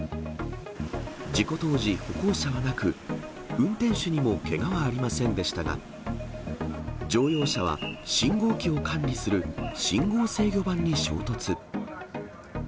事故当時、歩行者はなく、運転手にもけがはありませんでしたが、乗用車は信号機を管理する信号制御盤に衝突。